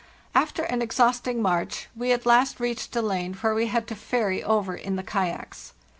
After an exhausting march we at last reached a lane where we had to ferry over in the kayaks.